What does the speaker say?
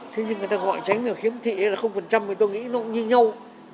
thế nhưng người ta gọi tránh là khiếm thị là thì tôi nghĩ nó cũng như nhau